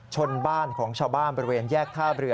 ชนบ้านของชาวบ้านบริเวณแยกท่าเรือ